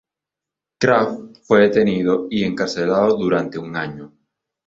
Krafft fue detenido y encarcelado durante un año.